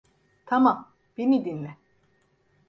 Tamam, beni dinle.